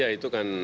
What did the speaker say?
ya itu kan